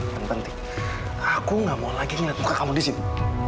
yang penting aku nggak mau lagi ngeliat muka kamu di sini